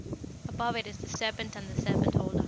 Above it is the serpent and the serpent holder."